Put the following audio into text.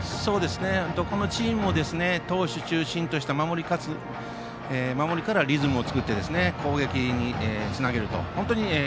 どこのチームも投手中心とした守りからリズムを作って攻撃につなげると。